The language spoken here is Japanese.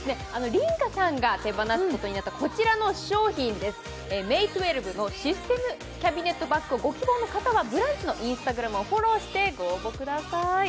梨花さんが手放すことになったこちらの商品です、ｍａｙｔｗｅｌｖｅのシステムキャビネットバッグをご希望の方は「ブランチ」のＩｎｓｔａｇｒａｍをフォローしてご応募してください。